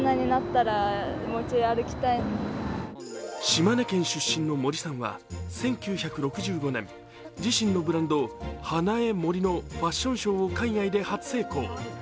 島根県出身の森さんは１９６５年、自身のブランドＨＡＮＡＥＭＯＲＩのファッションショーを海外で初成功。